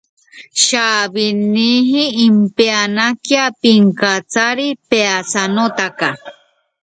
Más tarde, cuando se convierte en rey, Song Yeon, paso a ser su concubina.